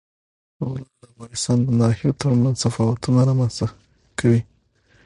غرونه د افغانستان د ناحیو ترمنځ تفاوتونه رامنځ ته کوي.